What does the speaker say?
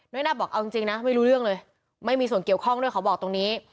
น่าบอกเอาจริงนะไม่รู้เรื่องเลยไม่มีส่วนเกี่ยวข้องด้วยเขาบอกตรงนี้